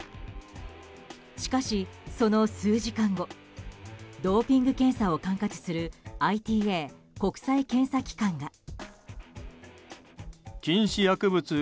しかし、その数時間後ドーピング検査を管轄するＩＴＡ・国際検査機関が。